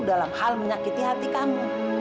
dalam hal menyakiti hati kamu